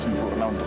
saya akan mencintai